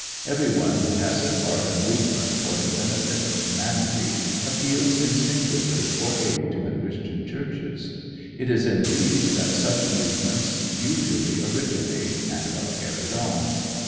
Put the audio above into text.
Every one who has at heart a movement for the benefit of humanity appeals instinctively for aid to the Christian churches. It is in these that such movements usually originate, and are carried on.